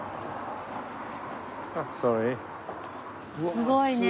すごいね。